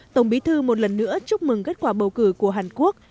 tổng bí thư một lần nữa chúc mừng kết quả bầu cử của hàn quốc